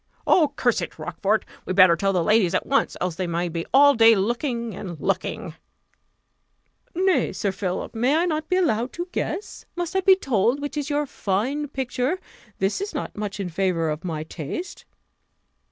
"Oh, curse it! Rochfort, we'd better tell the ladies at once, else they may be all day looking and looking!" "Nay, Sir Philip, may not I be allowed to guess? Must I be told which is your fine picture? This is not much in favour of my taste."